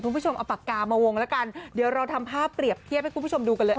คุณผู้ชมเอาปากกามาวงแล้วกันเดี๋ยวเราทำภาพเปรียบเทียบให้คุณผู้ชมดูกันเลย